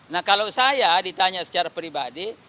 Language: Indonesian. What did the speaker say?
nah kalau saya ditanya secara pribadi